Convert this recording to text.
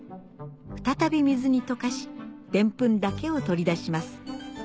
再び水に溶かしでんぷんだけを取り出します